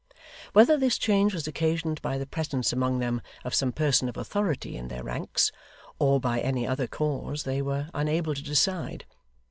Whether this change was occasioned by the presence among them of some person of authority in their ranks, or by any other cause, they were unable to decide.